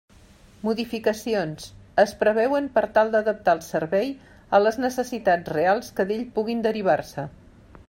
Modificacions: es preveuen per tal d'adaptar el servei a les necessitats reals que d'ell puguin derivar-se.